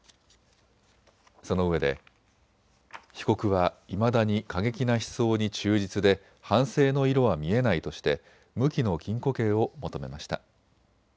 そのうえで被告はいまだに過激な思想に忠実で反省の色は見えないとして無期の禁錮刑を求めました。